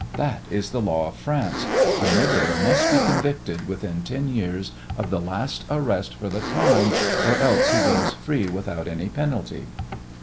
That is the law of France. A murderer must be convicted within ten years of the last arrest for the crime or else he goes free without any penalty."